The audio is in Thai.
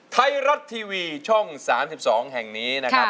ไทยรัฐทีวีช่อง๓๒แห่งนี้นะครับ